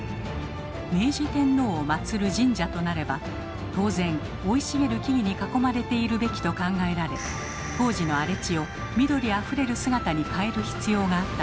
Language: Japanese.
明治天皇を祀る神社となれば当然生い茂る木々に囲まれているべきと考えられ当時の荒れ地を緑あふれる姿に変える必要があったのです。